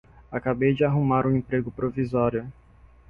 Acabei de arrumar um emprego provisório.